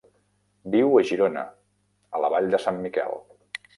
Viu a Girona, a la vall de Sant Miquel.